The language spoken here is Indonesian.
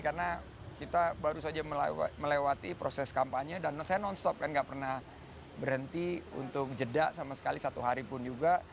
karena kita baru saja melewati proses kampanye dan saya non stop kan nggak pernah berhenti untuk jeda sama sekali satu hari pun juga